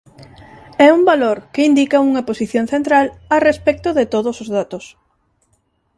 É un valor que indica unha posición central a respecto de todos os datos.